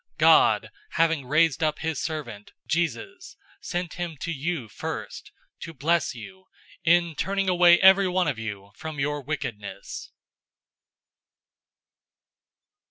'{Genesis 22:18; 26:4} 003:026 God, having raised up his servant, Jesus, sent him to you first, to bless you, in turning away everyone of you from your wickedness."